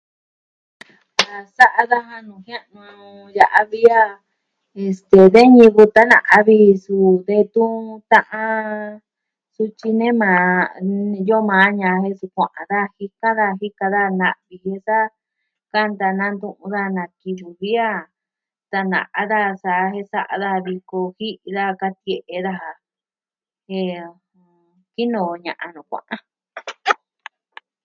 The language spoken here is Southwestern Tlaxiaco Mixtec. A sa'a daja nuu jia'a maa o ya'a vi a... este, de ñivɨ tana'a vi suu detun ta'an sutyi nee maa n... niyo maa ña sukua'a daa jika daa jika daa na iyo sa kanta nantu'un daa na ki tyu vi a tana'a daa sa jen sa'a daa viko jin da katie'e daja. Jen... kinoo ña'an nuu kua'an.